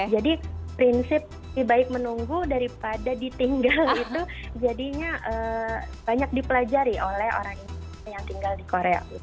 jadi prinsip baik menunggu daripada ditinggal itu jadinya banyak dipelajari oleh orang indonesia yang tinggal di korea